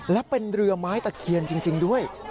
และเป็นเรือไม้ตะเคียนจริงด้วย